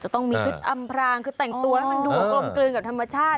ต้องมีชุดอำพรางคือแต่งตัวให้มันดูกลมกลืนกับธรรมชาติ